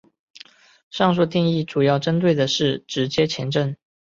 上述定义主要针对的是直接前震。